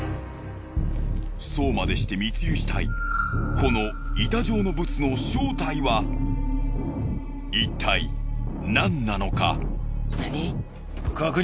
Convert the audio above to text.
そうまでして密輸したいこの板状のブツの正体はいったい何なのか？